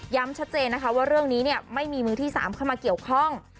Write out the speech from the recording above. ชัดเจนนะคะว่าเรื่องนี้ไม่มีมือที่๓เข้ามาเกี่ยวข้อง